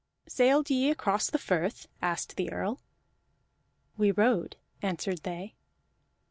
"Sailed ye across the Firth?" asked the Earl. "We rowed," answered they.